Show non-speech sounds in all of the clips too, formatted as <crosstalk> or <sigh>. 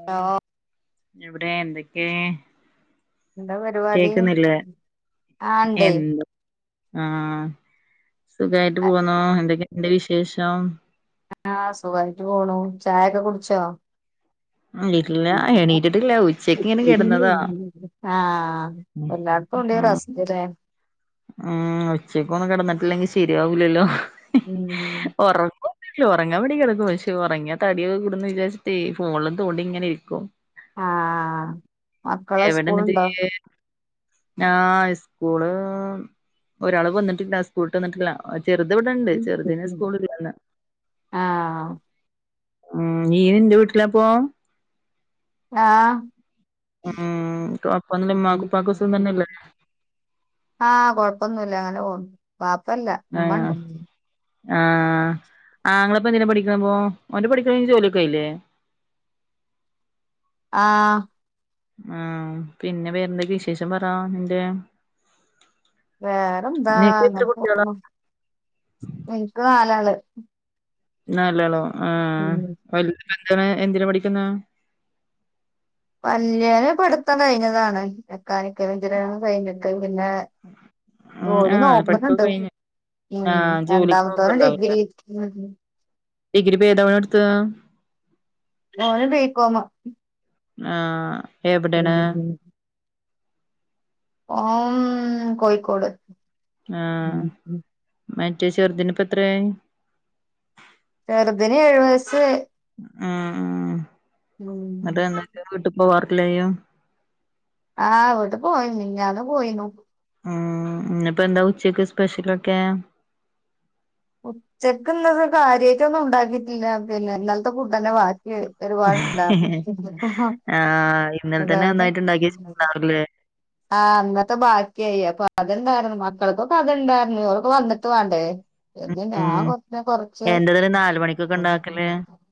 ഉം ഹലോ എവിടെ എന്തൊക്കെ എന്താ പരിപാടി കേക്കുന്നില്ലേ ആഹ് ഇണ്ട് എന്ത് ആഹ് സുഖായിട്ട് പോന്നൂ എന്തൊക്കെ ഉണ്ട് വിശേഷം ആഹ് സുഖായിട്ട് പോണു ചായൊക്കെ കുടിച്ചോ? ഇല്ല <unintelligible> എണീറ്റിട്ടില്ല ഉച്ചക്ക് ഇങ്ങനെ കിടന്നതാ ആഹ് ഉം എല്ലാടത്തും ഇ റസ് റ്റ്‌ലെ ഉം ഉച്ചക്ക് ഒന്ന് കിടന്നിട്ടില്ലെങ്കിൽ ശരിയാവൂലല്ലോ ഒറ ഇല്ല ഉറങ്ങാ വേണ്ടി കിടക്കും പക്ഷെ ഉറങ്ങാ തടിയെ കൂടന്ന് വിചാരിച്ചട്ടേ ഫോണിലും തോണ്ടി ഇങ്ങനെ ഇരിക്കും ആ മക്കള് എവിടെ ന്നിട്ട് സ്കൂളുണ്ടോ ഇയ്യ് ആഹ് സ്കൂള് ഒരാള് വന്നിട്ടില്ല സ്കൂ ൾട്ട് വന്നിട്ടില്ല ചെറുത് ഇവിടെണ്ട് ചെറുതിന് സ്കൂളില്ല ആ ഉം നീ നിന്റെ വീട്ടിലാപ്പോ ആഹ് ഉം കൊഴപം ഒന്നുല്ല ഉമ്മാക്കും ഉപ്പാക്കും തന്നെയല്ലേ ആഹ് കൊഴപ്പൊന്നുല്ല അങ്ങനെ പോണു ബാപ്പല്ല ആഹ് ഉമ്മണ്ട് ആഹ് ആങ്ങളിപ്പ എന്തിനാ പഠിക്കുണ് ഇപ്പൊ ഓന്റെ പഠിക്കല് കഴിഞ്ഞു ജോലിയൊക്കെ ആയില്ലേ ആഹ് ആഹ് പിന്നെ വേറെന്തൊക്കെ വിശേഷം പറ നിന്റെ വേറെന്താ നിനക്ക് എത്ര അങ്ങനെ കുട്ടികളാ പോന്നു എനിക്ക് നാലാള് നാലാളോ ആഹ് ഉം വലുത് എന്തിനാ എന്തിനാ പഠിക്കുന്ന വല്യോന് പഠിത്തം കഴിഞ്ഞതാണ് മെക്കാനിക്കൽ എഞ്ചിനർ കഴിഞ്ഞിട്ട് പിന്നെ ഉം ജോലി ആഹ് പഠിപ്പൊക്കെ നോക്കണുണ്ട് കഴിഞ്ഞ് ഉം ആഹ് ജോലിക്ക് രണ്ടാമത്തോന് നോക്ക്ണ്ടാവുല്ലേ ഡിഗ്രി ഡിഗ്രി പെതാ ഓളെട്ത്ത് ഓള് ബിക്കോമ് ആഹ് എവിടെണ്? ഓമ് കോഴിക്കോട് ആഹ് മറ്റേ ചെറുതിന്‌പ്പ എത്ര ആയി? ചെറുതിന് ഏഴു വയസ്സ് ആഹ് ആഹ് ഇന്നട്ട് എന്തൊക്കെ വീട്ടിപ്പോ വാർക്കില്ലേയ്യോ ആഹ് വീട്ടിക്ക് പോകല് ഇണ്ട് മിഞാന്ന് പോയിനു ആഹ് ഇഞ്പ്പ എന്താ ഉച്ചക്ക് സ്പെഷ്യലൊക്കെ? ഉച്ചക്ക് ഇന്ന് കാര്യയിട്ടോന്നും ഉണ്ടാക്കിട്ടില്ല പിന്നെ ഇന്നൽത്തെ ഫുഡന്നെ വാ ഒരു പാടുണ്ടാകും ആഹ് ഇന്നലെ തന്നെ ഒന്നായിട്ട് ഉണ്ടാക്കി വെച്ചിട്ടുണ്ടാവുല്ലേ <unintelligible> ആഹ് ഇന്നത്തെ ബാക്കിയായി അപ്പൊ അത്ണ്ടായിരുന്നു മക്കൾക്കൊക്കെ അത്ണ്ടായിരുന്നു ഇവർക്ക് വന്നിട്ട് വാണ്ടേ ഉം എന്റേതില് നാല് മണിക്കൊക്കെ ഉണ്ടാക്കല് <unintelligible>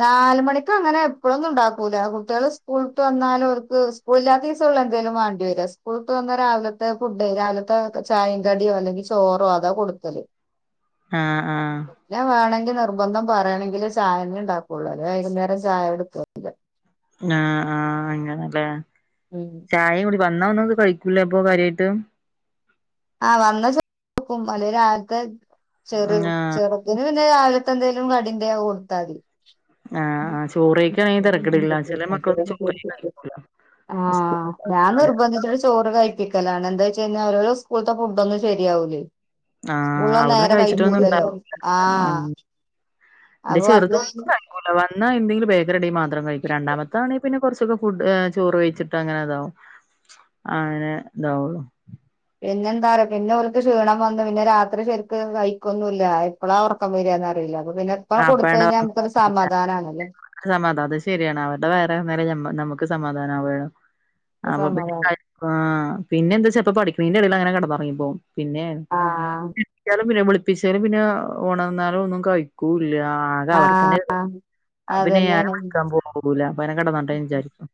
നാല് മണിക്കങ്ങനെ എപ്പളൊന്നും ഇണ്ടാക്കൂല കുട്ടികള് സ്കൂള് വിട്ട് വന്നാല് ഓർക്ക് സ്ക്കൂള് ഇല്ലാത്ത ദിവസ ഒള്ളു എന്തെലും വാണ്ടയത് സ്ക്കൂള് വിട്ട് വന്നാ രാവിലത്തെ ഫുഡ് രാവിലത്തെ ചായേം കടിയോ അല്ലെങ്കി ചോറോ അതാ കൊട്ക്കല് ആഹ് ആഹ് പിന്നേ വേണങ്കി നിർബന്ധം പറയാണെങ്കിലെ ചായന്നേ ഇണ്ടാക്കൊള്ളു അല്ലെ വൈകുന്നേരം ചായ കൊട്ക്കു ആഹ് ആഹ് അങ്ങനല്ലേ ഉം ചായേം കുടി വന്നാ ഒന്ന് കയ്ക്കൂലെ അപ്പൊ കാര്യയിട്ട് ആഹ് വന്ന <unintelligible> ആഹ് ഇതിന് പിന്നെ രാവിലത്തെ എന്തേലും കടിണ്ടെ അത് കൊട്ത്താതി ആഹ് ആഹ് ചോറ് കഴിക്കാണെങ്കിൽ തരക്കേടില്ല ചില മക്കളൊന്നും ചോറേ കഴിക്കൂല <unintelligible> സ്കൂള് ആഹ് ഞാൻ നിർബന്ധിച്ചിട്ട് ചോറ് കയ് പ്പിക്കലാണ് എന്താച്ചയ്ഞ്ഞാ ഒരാള് സ്കൂൾത്തെ ഫുഡോന്നും ശരിയാവൂല്ലേ ആഹ് സ്ക്കൂള്ള് ഓൻ അവിടുന്ന് നേരെ കയ്ക്കൂലല്ലോ ആഹ് ഇന്റെ അപ്പൊ വന്ന് കഴിഞ്ഞ് ചെറുതൊന്നും കയ്ക്കൂല വന്ന എന്തെങ്കിലും ബേക്കറിണ്ടെങ്കി മാത്രം കയ്ക്കു രണ്ടാമത ത്താണെ പിന്നേ കൊർച്ചൊക്കെ ഫുഡ് ഏഹ് ചോറ് കയ്ച്ചിട്ട് അങ്ങനെതാവും അങ്ങനെ ഇതാവുള്ളു പിന്നെ എന്താറയോ പിന്നെ ഓൽക്ക് ക്ഷീണം വന്ന് പിന്നെ രാത്രി ശെരിക്ക് കയ്ക്കൊന്നുല്ല എപ്പളാ ഒറക്കം വെരാന്ന് അറീല അപ്പൊ പിന്നെ ഇപ്പം കൊട്ത്തയ്ഞ്ഞാ നമ്മക്കൊര് സമാധാനാണല്ലേ ഒര് സമാധ അത് ശരിയാണ് അവര്ടെ വയറ് നേറഞ്ഞാലേ ഞമ് ഞമ്മക്ക് സമാധാനാവാ അപ്പൊ പിന്നെ കാ സമാധാനം ആഹ് പിന്നെ എന്താെച്ച ഇപ്പ പഠിക്ണെന്റെ എടെല് അങ്ങനെ കേടന്നൊറങ്ങി പോവും പിന്നെ ആഹ് ക്യാലും പിന്നെ വിളിപ്പിച്ചാലും പിന്നാ ഒണന്നാലും ഒന്നും കയ്ക്കൂല്ല അത ആഹ് അവർക്കന്നെത് അപ്പ പിന്നെ ഞാനും അതന്നെയാണ് വിളിക്കാം പോകൂല അപ്പ അങ്ങനെ കേടന്നോട്ടെന്ന് വിചാരിക്കും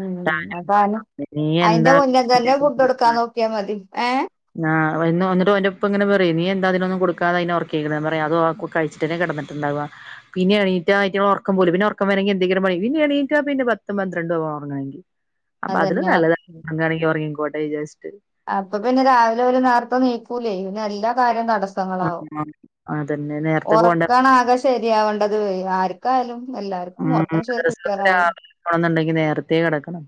ഉം അപ്പ അന്നേ നീ അയ്ന്റെ മുന്നെ തന്നെ എന്താ ഫുഡ് കൊട്ക്കാ നോക്കിയ മതി ഏഹ് ആഹ് വയ്ന്നു ഇന്നട്ടു ഓന്റെ ഉപ്പ ഇങ്ങനെ പറിം നീ എന്താ അതിനൊന്നും കൊട്ക്കാതെ അയ്നെ ഒറക്കീക്ക്ണെ ഞാന് പറിം അതോ <unintelligible> ട്ട്നെ കെടന്ന്ട്ട്ണ്ടാവ പിന്നെ എണീറ്റ അയ്റ്റങ്ങളെ ഒറക്കം പോവുലെ പിന്നെ ഒറക്കം വരെണങ്കി എന്തെങ്കിലും പണി പിന്നെ എണീറ്റാ പിന്നെ പത്തും പന്ത്രെണ്ടാവും ഒറങ്ങണെങ്കി അപ്പ അതിലും അതന്നെ നല്ലത് ഒറങ്ങാണെങ്കി ഒറങ്ങിക്കോട്ടെ വിചാരിച്ച്ട്ട് അപ്പ പിന്നെ രാവിലെ ഓല് നേര്ത്തെ നീക്കൂലേ പിന്നെല്ലാ കാര്യം തടസ്സ് ആഹ് ആഹ് അതന്നെ നേര്ത്തെ പോണ്ടെ ശരിയാവണ്ടത് വെ ആര് ഉം ഉം മദ്രറസെക്ക് ക്ലിയറാവും രാവിലെ പോണന്ന്ണ്ടെങ്കി നേരത്തെ കെടക്കണം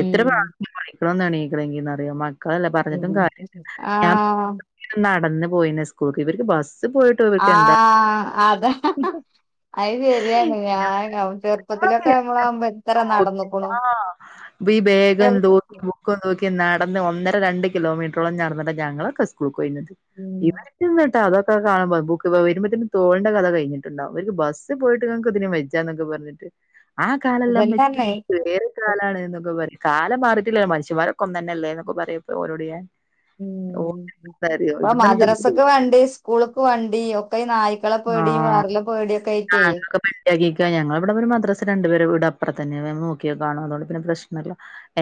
എത്ര പ്രവശ്യം വിളിക്കണോന്ന് എണീക്കണെങ്കിന്ന് അറിയോ ക്കളല്ലെ പറഞ്ഞട്ടും കാര്യല്ല ഞാം ആഹ് നടന്ന് പോയ്ന്നെ സ്കൂൾക്ക് ഇവര്ക്ക് ബസ്സിപോയ് ആഹ് അതാ അയ് ശരിയാണ് ഞാ എന്താ ആയാണ് ചെറുപ്പത്തിലൊക്ക ആദ്യം എന്റെ അമ്മളാവ്മ്പ എത്ര നടന്നുക്ക്ണു വി ബെഗും തൂക്കി ബുക്കും തൂക്കി നടന്ന് ഒന്നര രണ്ട് കിലോമീട്രോളം നടന്നിട്ടാ ഞങ്ങളക്ക സ്കൂ സ്കൂൾക്കൊയ്ര്ന്നത്ത് ഉം ഇവര് എന്നിട്ടാതോ ഇപ്പ കാണ്മ്പം ബുക്ക്‌ വര്മ്പത്തന്ന തോൾന്റ കഥ കയ്ഞ്ഞ്ട്ട്ണ്ടാവും അവര്ക്ക് ബസ്സി പോയ്‌ട്ടന്ന ഇങ്ങ്ക് ഇത്നും വജ്ജ് ചാന്നൊക്ക പറഞ്ഞട്ട് ആ കാലല്ല ഉമ്മച്ചി അതന്നെ ഇത് വേറെ കാലാണ്ന്നൊക്ക പറെം കാലം മാറിട്ടില്ലല്ലോ മനുഷ്യമ്മാരെക്ക ഒന്നന്നല്ലേന്ന് ഒക്ക പറെം ഇപ്പ ഓരോട് ഞാൻ ഓ ഉം അറിയോ ഇപ്പ ഇവിടുന്ന് മദ്രസക്ക്‌ വണ്ടി സ്കൂൾക്ക് വണ്ടി ഒക്ക ഈ നായ് ക്കള പേടീം വെർല പേടിക്കായ്റ്റേ റ്റകീക്ക ഞങ്ങള ഇവട പിന്ന മദ്രസ രണ്ട് പെര വീടപ്പറതന്നാണ് നമ്മള് നോക്കിയ കാണും അതോണ്ട് പിന്ന പ്രശ്നല്ല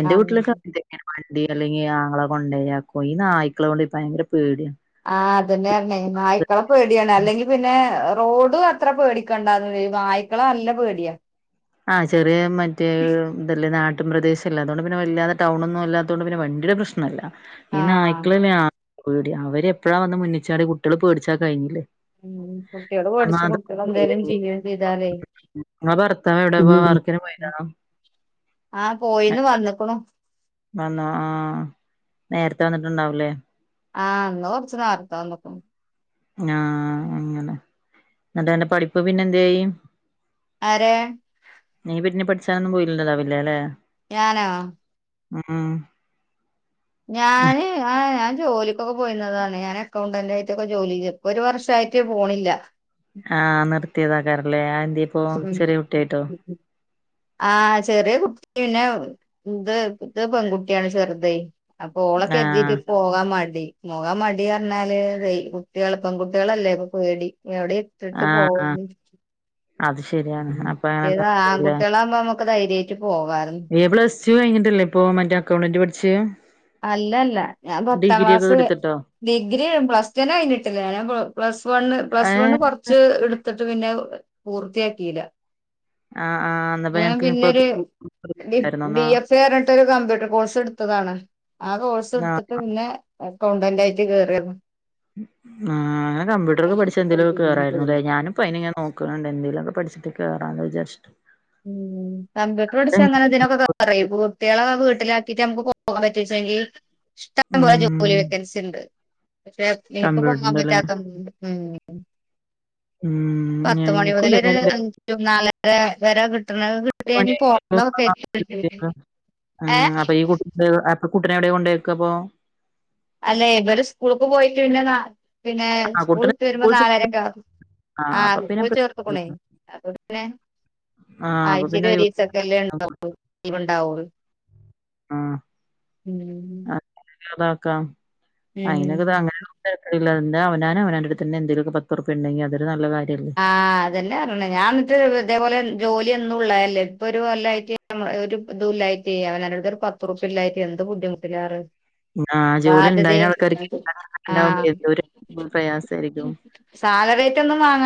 എന്റ ആഹ് വീട്ട്ലെക്ക എന്തെങ്കില് വണ്ടി അല്ലെങ്കി ആങ്ങള കൊണ്ടെയാക്കും ഈ നായ്ക്കള കൊണ്ടെ പയ്ങ്കര പേടിയാണ് ആഹ് അതന്നെ പറഞ്ഞെ നായ്ക്കള പേടിയാണ് അല്ലെങ്കി പിന്നെ റോഡ് അത്ര പേടിക്കണ്ടാന്ന് വെയ് നായ്ക്കള നല്ല പേടിയാ ആഹ് ചെറിയ മറ്റെ ഇതല്ലേ നാട്ട് പ്രദേശല്ലേ അതോണ്ട് പിന്ന വല്ലാതെ ടൗണൊന്നും അല്ലാ തൊണ്ട് പിന്ന വണ്ടീട പ്രശ്നല്ല ഈ ആഹ് നായ്ക്കള് ലെ പേടി അവര്പ്പഴാ വന്ന് മുന്നിച്ചാട്യ കുട്ടികള് പേടിച്ചാ കഴിഞ്ഞില്ലേ. ഉം കുട്ടികള് പേടിച്ചും കുട്ടികളേ സമാധാനമില്ല. എന്തേലും ചെയ്യേ ചെയ്താലേ. ഇങ്ങളെ ഭർത്താവ് എവിടെ ഉം വർക്കിന് പോയിനാ? ആഹ് പോയിന്നു വന്ന്ക്ക് ണു. വന്നു ആ നേരത്തെ വന്നിട്ടുണ്ടാവലേ? ആഹ് ഇന്ന് കൊർച് നേര്ത്തെ വന്ന് ക്ക് ണു. ആഹ് അങ്ങനെ ന്നിട്ട് പഠിപ്പ് പിന്നെ എന്തയി? ആരെ? നീ പിന്നെ പഠിച്ചാനൊന്നും പോയില്ലണ്ടതാവില്ലേ അല്ലെ? ഞാനോ? ഉം ഉം ഞാന് ആ ഞാൻ ജോലിക്കൊക്കെ പോയിന്നതാണ് ഞാനക്കൗണ്ടന്റ ആയിട്ടൊക്കെ ജോലി ഒരു വർഷയിട്ട് പോണില്ല. ആഹ് നിർത്തിയതാക്കാറല്ലേ ആ എന്തി ഇപ്പോ ഉം ചെറിയ കുട്ടിയായിട്ടോ. ആഹ് ചെറിയ കുട്ടി പിന്നെ ഇത് ഇത് പെൺകുട്ടിയാണ് ചെറുതെ. അപ്പൊ ആഹ് ഓളെക്കര്തീട്ടെ. പോകാൻ മടി പോകാൻ മടി പറഞ്ഞാല് കുട്ടികൾ പെൺകട്ടികളല്ലേ ഇപ്പൊ പേടി എവിടെ. ഇട്ടിട്ട് ആഹ് അ പോവന്ന് അത് ശ മറ്റേത് ആൺകുട്ടികളാകുമ്പോ നമ്മക്ക് ധൈര്യയിട്ടു പോവാരുന്നു. എ പ്ലസ് ടു കഴി ഞ്ഞിട്ടല്ലേ ഇപ്പോ മറ്റേ അക്കൗണ്ടന്റ് പഠിച്ചേ? അല്ലല്ല ഞാൻ പത്താം ഡിഗ്രി ഒക്കെ ക്ലാസ് ക എടുത്തിട്ടോ ഡിഗ്രി പ്ലസ് ടെൻ കഴിഞ്ഞിട്ടില്ല ഞ പ്ലസ് വണ് പ്ലസ് ഏഹ് വണ്. കൊറച്ച് എടുത്തിട്ട് പിന്നെ പൂർത്തിയാക്കിയില്ല. ആഹ് ആഹ് ന്നാ പിന്നെ ഞൻ അനക്ക് ഇപ്പൊ പിന്നെരു ടി ബി ന്നാ എഫ് ട്ടൊരു കമ്പ്യൂട്ടർ കോഴ്സ് എടുത്തതാണ് ആ കോഴ്സ് ആഹ് ആഹ് എടുത്തിട്ട് പിന്നെ. അക്കൗണ്ടന്റ് ആയിട്ട് കേറിയരുന്നു. ആ അങ്ങനെ കമ്പ്യൂട്ടറൊക്കെ പഠിച്ച എന്തെങ്കി ലൊക്കെ കേറായിരുന്നു അല്ലേ ഞാനും. ഇപ്പനി ഞാൻ നോക്കുന്നുണ്ട് എന്തേങ്കിലുംക്കെ പഠിച്ചിട്ടേ കയറാന്ന് വിചാരി ചിട്ട്. ഉം കമ്പ്യൂട്ടർപഠിച്ച അങ്ങനെതിനൊക്ക ക്കേ പറയും കുട്ടേളേ വീട്ട്ലാക്കീട്ട് നമുക്ക് പോകാൻ പറ്റ്ച്ചെങ്കി ഇഷ്ടം പോലെ ജോലി വേ ഉം ക്കൻസി ണ്ട് പക്ഷെ ഇൻക്ക് പോകാൻ കമ്പ്യൂട്ടറിന്റെല്ലേ പറ്റാത്ത ഉം ഉം ഉം പത്ത് മണി മുതൽ ഒര് അഞ്ച് നാലര വരെ കി ട്ടുന്നതൊക്കെ കിട്ട്യ പണി ഞ് കഴിയുമ്പോ പോണംന്നൊ ക്കെര്‌ത്‌ണ്ട് ആ ആഹ് ഏഹ് <unintelligible> അപ്പൊ കുട്ടിനെ എവിടെ കൊണ്ടേക്ക അപ്പോ അല്ലേ ഇവര് സ്കൂൾക്ക് പോയ്റ്റ് പിന്നെ നാ പിന്നെ ആ കുട്ടീനെ സ്കൂള്ട്ട് വരുമ്പോ സ്കൂൾ ചേ നാലരക്കെ ആവും ആ അപ്പൊ ആഹ് പിന്നെ സ്കൂൾ ചേർത്തുക്കുണേ പ്രശ്നല്ല. അപ്പൊ പിന്നെ ആ അപ്പൊ ആയ്ച്ചേൽ പിന്നെ ഒരീസക്കല്ലേ ഒഴിവുണ്ടാവും. ഇണ്ടാവൂ ലീവ് ണ്ടാവൂ ആ ഉം അതൊക്കെ അതാക്കാം അയിനൊക്കെ ഉം ത ങ്ങനെ തരക്കടില്ല എന്താ അവനാൻ അവനാന്റെടുത്തന്നെ എന്തെലൊക്കെ പത്തുർപ്പ്യ ഇണ്ടെങ്കി അതൊരു നല്ലകാ ര്യല്ലേ ആഹ് അതന്നെ പറിണ് ഞാൻന്ന്ട്ട് ഇതേപോലെ ജോലി എന്നുള്ളല്ലേ ഇപ്പൊ ഒരു കൊല്ലായിറ്റ് നമ്മ ഒരു ഇതുല്ലായിറ്റേ അവനാന്റെ ട് ത്ത് ഒരു പത്തുർപ്യ ഇല്ലായിറ്റ് എന്ത് ബുദ്ധിമുട്ടിലാറ്യോ ഉം ആഹ് ജോലി ഇണ്ടായിന ആൾക്കാർക്ക് <unintelligible> ണ്ടാവുമ്പ ആഹ് എന്തൊരു പ്രയാസേരിക്കും സാലറി ആയിറ്റ് ഒന്നും വാങ്ങ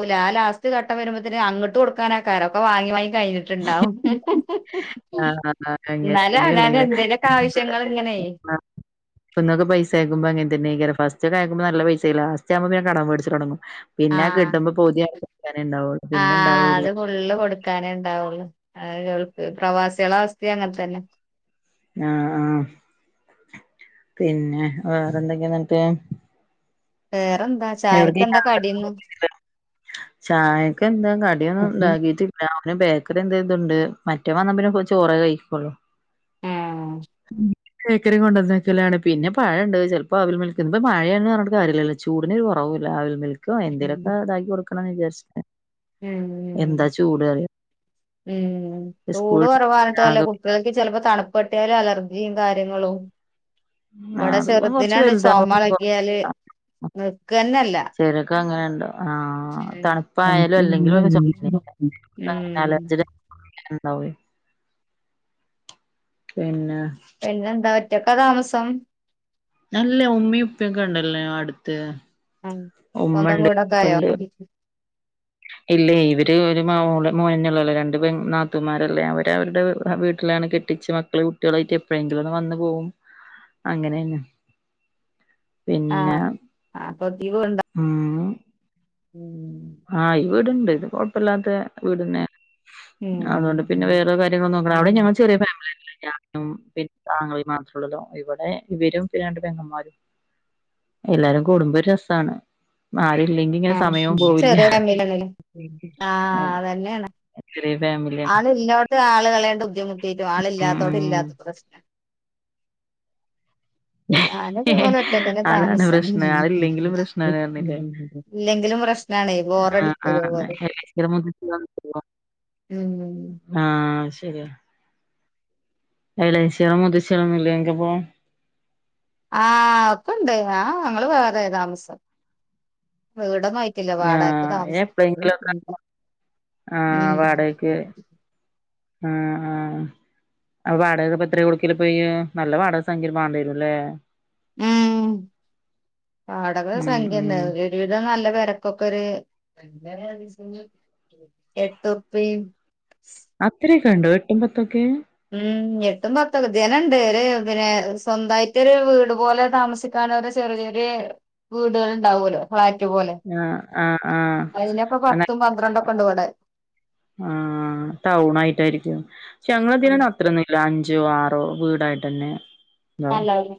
ങ്ങൂല ആ ലാസ്റ്റ് ഘട്ടം വരുബത്തിന് അങ്ങട്ട് കൊടുക്കാനാക്കാരം ഒക്ക വാങ്ങി വാങ്ങി കയിഞ്ഞ്ട്ട്ണ്ടാവും ആ അങ്ങനെ ന്നാലും അവനാന്റെ തന്നെയല്ലേ എന്തേലൊക്കെ ആവശ്യങ്ങള് ങ്ങനെ പെണ്ണ്ങ്ങക്ക് പൈസ അയക്കുമ്പോ അങ്ങൻ തനെ അയ്ക്കാരം ഫസ്റ്റ് ഒക്കെ ആയക്കുമ്പോ നല്ല പൈസേ ലാസ്റ്റ് ആവുമ്പോ പിന്നെ കടം വേട്ച്ചൽ തൊടങ്ങും പിന്നെ ആഹ് കിട്ട്മ്പോ പൗതി <unintelligible> ക്കാനെ ണ്ടാവൊള്ളൂ പിന്നെ ആഹ് അത് ണ്ടാവൂല്യാ ഫുള്ള് കൊടുക്കാനേ ഇണ്ടാവൊള്ളു <unintelligible> പ്രവാസേള അവസ്ഥിം അങ്ങൻ തന്നെ ആഹ് ആഹ് പിന്നെ വേറന്തക്കെ ന്ന്ട്ട് വേറെന്താ എവ്ട് ചായക്ക് എന്താ കടിന്ന് <unintelligible> ച്ചായക്ക് എന്താ കടിയൊന്നും ഇണ്ടാക്കിട്ടി അവന് ബേക്കറി എന്തേ തുണ്ട് മറ്റേ വന്നാ പിന്നെ ചോറ കഴിക്കൊള്ളു ഏഹ് ഉം ബേക്കറി കൊണ്ടന്നക്കലാണ് പിന്നെ പഴണ്ട് ചെല് പ്പോ അവിൽ മിൽക്ക് ഇപ്പ മഴയാണ് പറഞ്ട്ട് കാര്യലല്ലോ ചൂടിനൊരു കൊറവൂല്ല അവിൽ മിൽക്കോ എന്തേലൊക്കെ ഇതാക്കി കൊടുക്കണന്ന് വിചാരിച്ച് എന്താ ഉം ചൂട് അറിയോ ഉം ചൂട് സ്കൂൾ കൊറവാർഞ്ട്ട് കാര്യല്ല ആകെ കുട്ടികൾക്ക് ചെലപ്പോ തണ് പെട്ട്യാൽ അലർജിം കാര്യങ്ങളും ആഹ് ഇവടെ അത് കുറച്ച് ചെർദിനണ്ട് ചൊമ വലുതാവുമ്പോ അളഗ്യാല് നിക്കന്നല്ല ചേലോര്ക്ക് അങ്ങനെ ഇണ്ടാവും ആഹ് ഉം തണുപ്പായാലും അല്ലെങ്കിലും ചൊമന്നേ ആക്കാരം <unintelligible> അലർജി ഡേ ഇണ്ടാവേ പിന്നെ പിന്നെന്താ ഒറ്റക്കാ താമസം നല്ല ഉമ്മിം ഉപ്പിയൊക്ക ഇണ്ടല്ലോ അട്ത്ത് ആഹ് സ്വന്തം വീടൊക്ക ആയോ <inaudible> ഇല്ലേ ഇവര് ഒര് മോള് മോനന്നേ ഒള്ളല്ലേ രണ്ട് പെ നാത്തുമാരല്ലേ അവര് അവര്ടെ വീ വീട്ടിലാണ് കെ ട്ടിച്ച് മക്കള് കുട്ടേളായ്റ്റ് എപ്പഴെങ്കിലും ഒന്ന് വന്ന് പോവും അങ്ങനെണ് ആഹ് ആപ്പൊ <unintelligible> ഉം ഉം ആഹ് ഈ വീടുണ്ട് ഇത് കൊഴപ്പല്ലാത്ത വീടന്നെ അതുകൊണ്ട് പിന്നെ ഉം വേറ കാര്യ ങ്ങൾ നോക്ക്ണെ അവിടെ പിന്നെ ഞങൾ ചെറിയ ഫാമിലിന്നെ ഞാനും പിന്നെ ഇന്റെ ആങ്ങളീം മാത്രേ ഉള്ളല്ലോ ഇവിടെ ഇവരും പിന്നെണ്ട് പെങ്ങന്മാരും എല്ലാരും കൂടുംമ്പോ ഒരു രസാണ് ആരുംല്ലെങ്കി ഇങ്ങനെ സമയവും പോയി വെറെ ഫാമിലിയിലൊന്നുല്ലേ ആഹ് അതന്നെണ് ചെറിയ ഫാമിലിയാണ് ആന്ന് ഇല്ലോട്ത്ത് ആൾകെളേണ്ട് ബുദ്ധിമുട്ടിട്ടും ഉം ആളില്ലാത്തോടം ഉം ഇല്ലാത്ത പ്രശ്നം ഞാനിത് പോലെ ഒറ്റക്കന്ന അതാണ് താമസം പ്രശ്നം ആളില്ലെങ്കിലും പ്രശ്നാണ് പറഞ്ഞില്ലേ ഇല്ലെങ്കിലും പ്രശ്നാണെ ആഹ് ബോറടിക്കും ഇതേ ആഹ് പോലെ എളേച്ചിടെ മുത്തച്ഛനൊന്നുല്ലല്ലോ ഉം ആഹ് ശരിയാ ഇളയച്ചികളും മുത്തച്ഛികളും ഒന്നുല്ലേ നിൻക്കിപ്പം ആഹ് ഒക്കെ ഇണ്ട് ഞാൻ ആഹ് ഞങ്ങള് വേറെ താമസം വീട് മൈ ആഹ് എപ്പളെങ്കിലൊക്കെ ഉണ്ടാ <inaudible> ആഹ് ഉം വാടകക്ക് ആഹ് ആഹ് അപ്പൊ വാടകക്ക്പ്പോ എത്ര കൊടുക്കല് ഇപ്പൊ ഇയ്യ് നല്ല വാടക സംഖ്യ രും മാണ്ടി വരും ല്ലേ ഉം വാടക ഉം സംഖ്യണ്ട് ഉം ഒരു ഒരു വിധം നല്ല പെരക്കൊക്കെ ഒരു എട്ടുർപ്പി അത്രയൊക്കെ ഉണ്ടോ എട്ടും പത്തൊക്കെ ഉം എട്ടും പത്തൊക്കെ ഇതന്നെണ്ട് ഒരു സ്വന്തായിട്ട് ഒരു വീട് പോലെ താമസിക്ക കാണൊരു ചെറിയൊര് വീടുകൾ ഉണ്ടാവൊല്ലോ ഫ്ലാറ്റ് പോലെ ആഹ് ആഹ് അയിനൊക്കെ ആഹ് പത്തും പന്ത്രണ്ടും ഒക്കെ ഉണ്ട് വെടെ ആഹ് ടൗണായിട്ടായിരിക്കും പക്ഷെ ഞങ്ങളിതിലാണ്ട് അ ത്രന്നുല്ല അഞ്ചോ ആറോ വീടായിട്ടന്നെ ഇണ്ടാവും നല്ലല്ലേ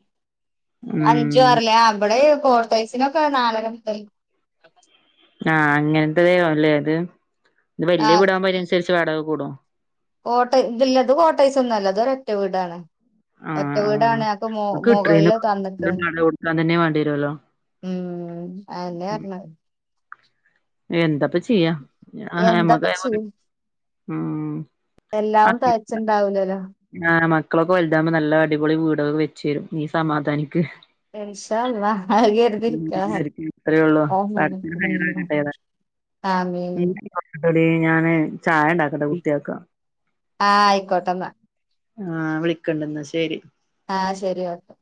അഞ്ചു ഉം ആറ്ല്ലേ ആഹ് ബടെ ഈ കോട്ടേഴ്സിനൊക്കെ നാലര മുതൽ <inaudible> ആഹ് അങ്ങനത്തെതെയല്ലേ ഇത് ഇത് ആ വല്ല്യ വീടാവുമ്പോ അയിനനുസരിച്ച് വാടക കൂടും കോട്ട് ത് ഇല്ലത് കോട്ടയ്സൊന്നും അല്ല ഇത് ഒരറ്റ വീടാണ് ഒറ്റ ആഹ് ആഹ് വീടാണ് അപ്പം മോ നമുക്ക് കിട്ടണീന്ന് മൊകൾല് തന്നക്കാണ് വാടക കൊടുക്കാൻ തന്നെ വേണ്ടി വരുവല്ലോ ഉം അതന്നെ പർഞ്ഞേ എന്താപ്പ ചെയ്യാ ആഹ് എന്താപ്പ നമ്മക്കയ് ചെയ്യും ഉം ആഹ് എല്ലാം തികച്ചുണ്ടാവൂലല്ലോ പിന്നെ ആഹ് മക്കളൊക്കെ വലുതാവൂമ്പോ നല്ല അടിപൊളി വീടൊക്കെ വെച്ച് തരും നീ സമാധാനിക്ക് ഇൻഷാ അള്ളാ അത് കരുതിയിരിക്ക <unintelligible> അത്രയേള്ളൂ പടച്ചോൻ ഹൈറാക്കട്ടെ ന്ന് <inaudible> ആമീൻ ന്നാ വെക്കട്ടെ ടീ ഞാന് ചായ ഇണ്ടാക്കട്ടെ കുട്ടികൾക്ക് ആ ആയിക്കോട്ടെന്നാ ആഹ് വിളിക്കണ്ട് ന്നാ ശരി ആഹ് ശരി ഒക്കെ